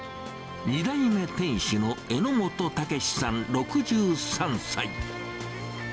２代目店主の榎本武さん６３歳。